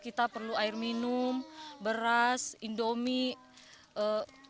kita perlu air minum beras indomie